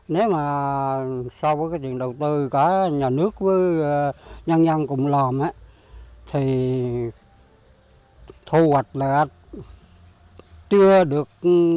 nếu mà so với cái tiền đầu tư cả nhà nước với nhân dân cùng lòm á thì thu hoạch là chưa được năm